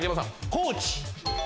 高知。